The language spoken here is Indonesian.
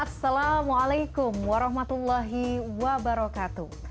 assalamualaikum warahmatullahi wabarakatuh